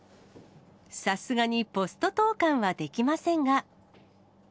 さすがにポスト投かんはできませんが。